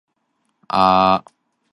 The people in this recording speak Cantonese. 多謝晒